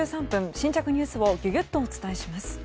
新着ニュースをギュギュッとお伝えします。